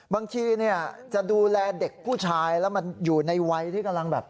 บางทีเนี่ยจะดูแลเด็กผู้ชายแล้วมันอยู่ในวัยที่กำลังแบบ